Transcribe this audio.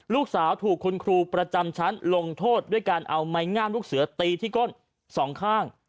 ลูกสาวถูกคุณครูประจำชั้นลงโทษด้วยการเอาไม้งามลูกเสือตีที่ก้นสองข้าง